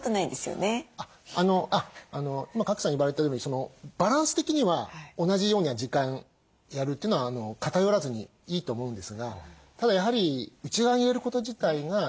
今賀来さん言われたとおりバランス的には同じような時間やるというのは偏らずにいいと思うんですがただやはり内側に入れること自体が。